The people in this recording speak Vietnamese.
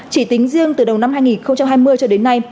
chỉ tính riêng từ đầu năm hai nghìn hai mươi cho đến nay